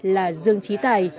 là dương trí tài